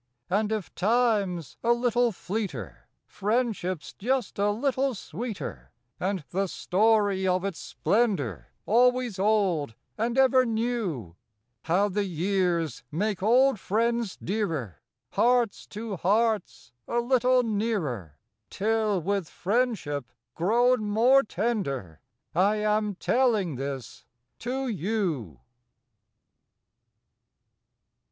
y\AJD if time's a little / V fleeter, friendship s just a little sxx>eeter, And the storp o" its splendor AlvOaps old and eVer neu); Hovc> the pears make old friends dearet~, Hearts to hearts a little nearer Till voith friendship pro>xm more tender I am tellina this to ou.